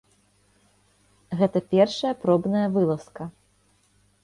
Гэта першая пробная вылазка.